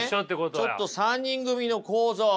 じゃあねちょっと３人組の構造。